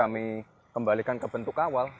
kami kembalikan ke bentuk awal